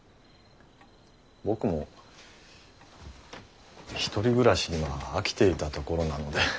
僕も１人暮らしには飽きていたところなので。